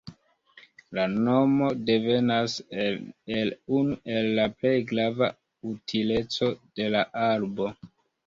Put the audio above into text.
La nomo devenas el unu el la plej grava utileco de la arbo.